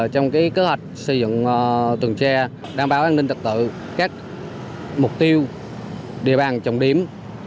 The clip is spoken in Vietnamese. trong cơ hạch xây dựng tuần tra đảm bảo an ninh tật tự các mục tiêu địa bàn trọng điểm